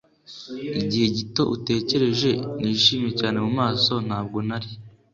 igihe gito utekereje. nishimye cyane mu maso. ntabwo yari